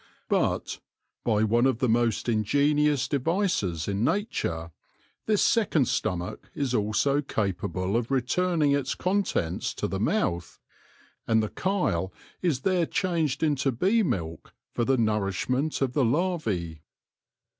But, by one of the most ingenious de vices in nature, this second stomach is also capable of returning its contents to the mouth, and the chyle is there changed into bee milk for the nourishment of the larvae.